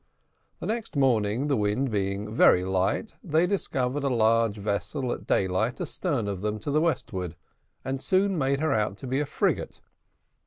The next morning, the wind being very light, they discovered a large vessel at daylight astern of them to the westward, and soon made her out to be a frigate.